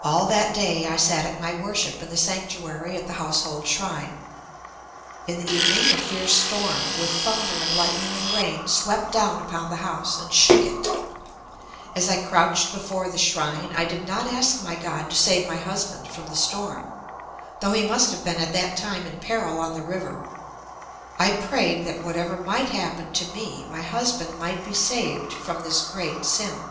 All that day I sat at my worship in the sanctuary at the household shrine. In the evening a fierce storm, with thunder and lightning and rain, swept down upon the house and shook it. As I crouched before the shrine, I did not ask my God to save my husband from the storm, though he must have been at that time in peril on the river. I prayed that whatever might happen to me, my husband might be saved from this great sin.